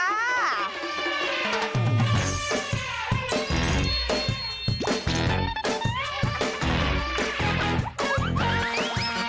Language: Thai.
อีกอีกอีก